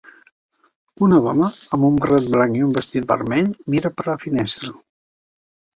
Una dona amb un barret blanc i un vestit vermell mira per la finestra.